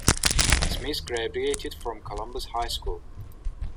Smith graduated from Columbus High School.